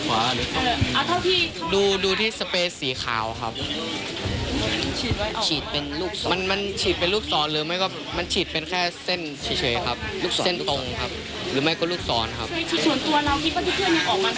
อะไรที่เคยเข้าไปแล้วเนี่ย